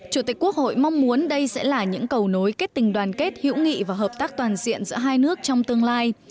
chủ tịch quốc hội mong muốn đây sẽ là những cầu nối kết tình đoàn kết hữu nghị và hợp tác toàn diện giữa hai nước trong tương lai